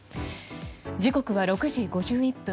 時刻は６時５１分。